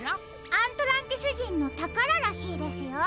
アントランティスじんのたかららしいですよ。